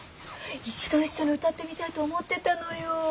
一度一緒に歌ってみたいと思ってたのよ。